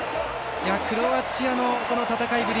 クロアチアの戦いぶり